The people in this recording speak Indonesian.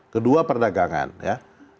kedua perdagangan ya